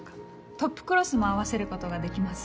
トップクロスも合わせることができます。